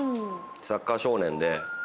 サッカー少年で。